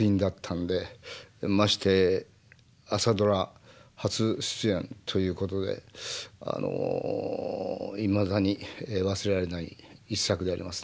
まして「朝ドラ」初出演ということであのいまだに忘れられない一作でありますね。